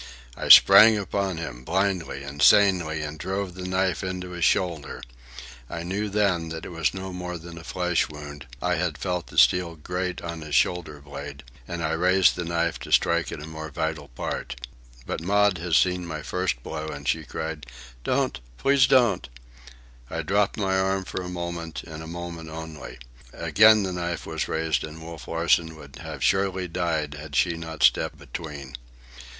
I sprang upon him, blindly, insanely, and drove the knife into his shoulder. I knew, then, that it was no more than a flesh wound,—I had felt the steel grate on his shoulder blade,—and I raised the knife to strike at a more vital part. But Maud had seen my first blow, and she cried, "Don't! Please don't!" I dropped my arm for a moment, and a moment only. Again the knife was raised, and Wolf Larsen would have surely died had she not stepped between.